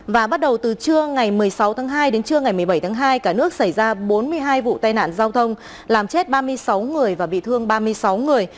và bắt đầu từ trưa ngày một mươi sáu tháng hai đến trưa ngày một mươi bảy tháng hai cả nước xảy ra bốn mươi hai vụ tai nạn giao thông làm chết ba mươi sáu người và bị thương ba mươi sáu người